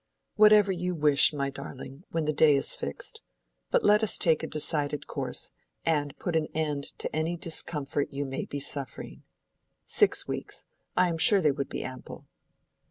"Whatever you wish, my darling, when the day is fixed. But let us take a decided course, and put an end to any discomfort you may be suffering. Six weeks!—I am sure they would be ample."